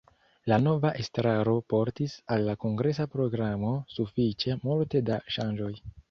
La nova estraro portis al la kongresa programo sufiĉe multe da ŝanĝoj.